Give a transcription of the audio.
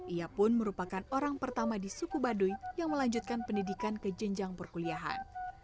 ia pun merupakan orang pertama di suku baduy yang melanjutkan pendidikan ke jenjang perkuliahan